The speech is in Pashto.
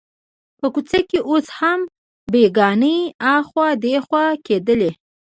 په کوڅه کې اوس هم بګیانې اخوا دیخوا کېدلې.